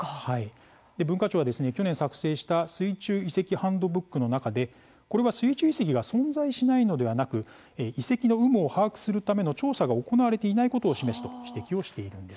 文化庁は去年作成した「水中遺跡ハンドブック」の中でこれは水中遺跡が存在しないのではなく遺跡の有無を把握するための調査が行われていないことを示すと指摘をしているんです。